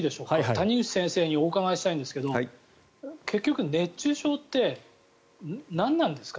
谷口先生にお伺いしたいんですが結局、熱中症って何なんですか。